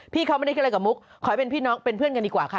เขาไม่ได้คิดอะไรกับมุกขอให้เป็นพี่น้องเป็นเพื่อนกันดีกว่าค่ะ